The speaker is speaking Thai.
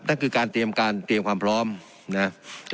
นั่นคือการเตรียมการเตรียมความพร้อมนะครับ